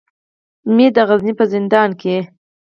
مې د غزني په زندان کې.